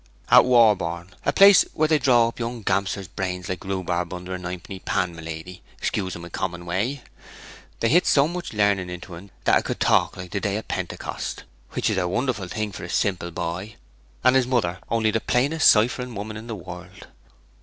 'At Warborne, a place where they draw up young gam'sters' brains like rhubarb under a ninepenny pan, my lady, excusing my common way. They hit so much larning into en that 'a could talk like the day of Pentecost; which is a wonderful thing for a simple boy, and his mother only the plainest ciphering woman in the world.